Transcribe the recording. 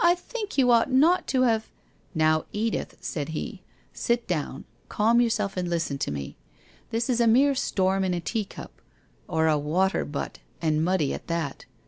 1 T think vou ought not to have '' Xow, Edith/ said he, ' sit down, calm yourself and listen to me. This is a mere storm in a teacup ; or a water butt and muddy at that.